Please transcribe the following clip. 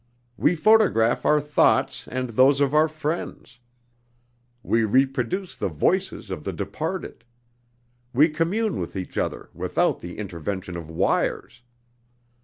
We photograph our thoughts and those of our friends. We reproduce the voices of the departed. We commune with each other without the intervention of wires.